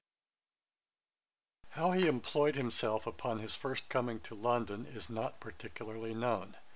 ] How he employed himself upon his first coming to London is not particularly known.